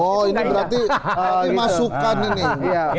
oh ini berarti masukan ini